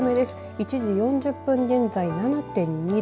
１時４０分現在、７．２度。